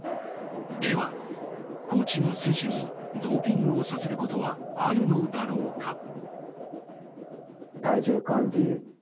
では、コーチが選手にドーピングをさせることはあるのだろうか。